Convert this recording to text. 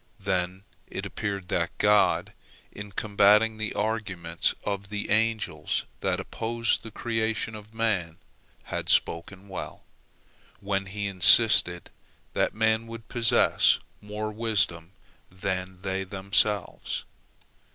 Then it appeared that God, in combating the arguments of the angels that opposed the creation of man, had spoken well, when He insisted that man would possess more wisdom than they themselves.